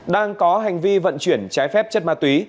đang có hành vi vận chuyển trái phép chất ma túy